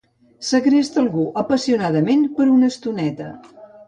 Segresta algú apassionadament per una estoneta.